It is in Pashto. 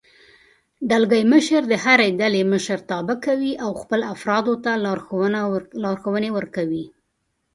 دلګی مشر د هرې ډلې مشرتابه کوي او خپلو افرادو ته لارښوونې ورکوي.